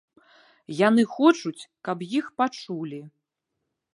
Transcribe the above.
Яны хочуць, каб іх пачулі.